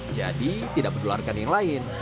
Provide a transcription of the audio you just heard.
jadi tidak perlu luarkan yang lain